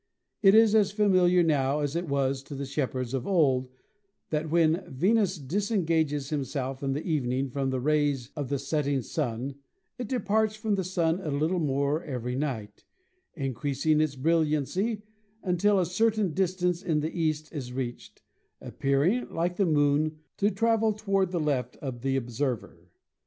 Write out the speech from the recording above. It is as familiar now as it was to the shepherds of old that when Venus disengages itself in the evening from the rays of the setting Sun it departs from the Sun a little more every night, increasing its brilliancy until a certain dis tance in the east is reached, appearing, like the Moon, to travel toward the left of the observer.